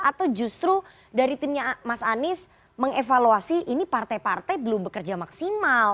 atau justru dari timnya mas anies mengevaluasi ini partai partai belum bekerja maksimal